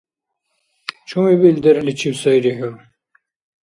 Чумъибил дерхӀличив сайри хӀу?